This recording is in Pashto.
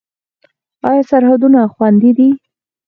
آیا سرحدونه خوندي دي؟